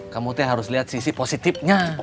kamu tuh harus lihat sisi positifnya